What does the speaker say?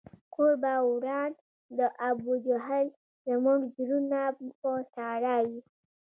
کور به وران د ابوجهل زموږ زړونه په ساړه وي